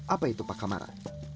apa itu pakamara